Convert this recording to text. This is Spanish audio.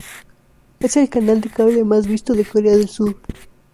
Es el canal de cable más visto de Corea del Sur.